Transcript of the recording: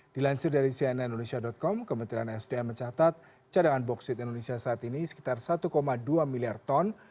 dilansir dari cnn indonesia com kementerian sdm mencatat cadangan boksit indonesia saat ini sekitar satu dua miliar ton